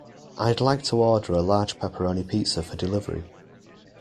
I'd like to order a large pepperoni pizza for delivery.